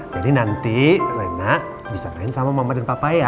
jadi nanti rena bisa main sama mama dan papa ya